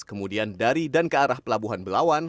kemudian dari dan ke arah pelabuhan belawan